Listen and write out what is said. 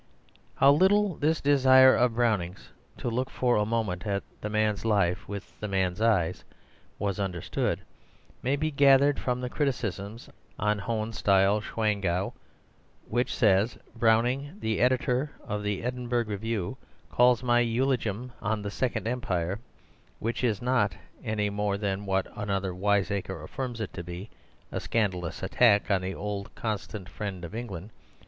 How little this desire of Browning's, to look for a moment at the man's life with the man's eyes, was understood, may be gathered from the criticisms on Hohenstiel Schwangau, which, says Browning, "the Editor of the Edinburgh Review calls my eulogium on the Second Empire, which it is not, any more than what another wiseacre affirms it to be, a scandalous attack on the old constant friend of England.